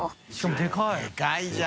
でかいじゃん。